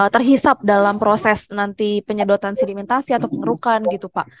terhisap dalam proses nanti penyedotan sedimentasi atau pengerukan gitu pak